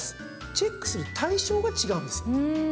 チェックする対象が違うんです。